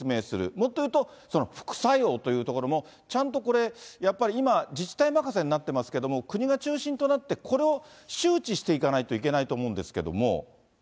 もっと言うと、副作用というところも、ちゃんとこれ、やっぱり今、自治体任せになってますけれども、国が中心となって、これを周知していかないといけないと思うんですけれども。